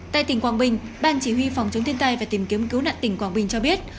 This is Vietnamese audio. tại tỉnh quảng bình ban chỉ huy phòng chống thiên tai và tìm kiếm cứu nạn tỉnh quảng bình cho biết